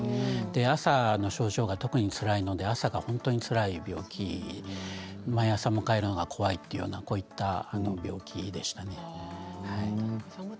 朝の症状が特につらいので朝は本当につらい病気で毎朝迎えるのが怖いといった病気でしたね。